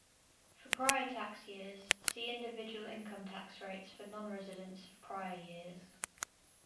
For prior tax years, see individual income tax rates for non-residents of prior years.